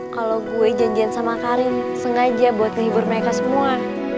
kalau gue janjian sama karin sengaja buat libur mereka semua